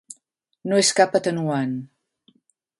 No és cap atenuant.